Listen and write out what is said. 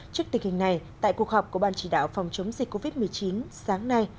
trước tình hình này tại cuộc họp của ban chỉ đạo phòng chống dịch covid một mươi chín sáng nay